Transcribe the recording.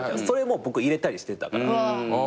それも僕入れたりしてたから。